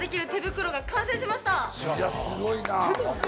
いやすごいな。